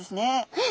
えっ！？